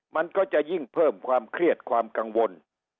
มันก็จะยิ่งเพิ่มความเครียดความกังวล